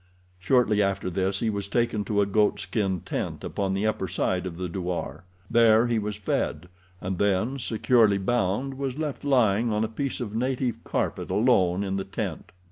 Shortly after this he was taken to a goat skin tent upon the upper side of the douar. There he was fed, and then, securely bound, was left lying on a piece of native carpet, alone in the tent.